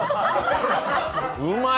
うまい。